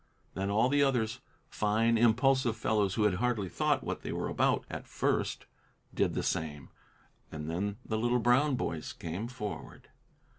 Then all the others, fine, impulsive fellows who had hardly thought what they were about at first, did the same; and then the little brown boys came forward.